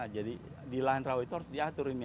jadi di lahan rawa itu harus diaturin